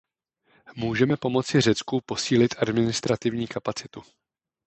Můžeme pomoci Řecku posílit administrativní kapacitu.